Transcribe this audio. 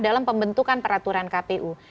dalam pembentukan peraturan kpu